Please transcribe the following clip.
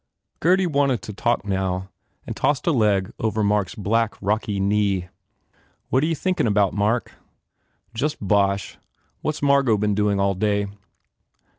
Gurdy wanted to talk, now, and tossed a leg over Mark s black, rocky knee. "What re you thinkin about, Mark?" "Just bosh. What s Margot been doing all day?"